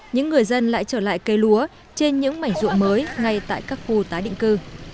những người dân lại trở lại cây lúa trên những mảnh ruộng mới ngay tại các khu tái định cư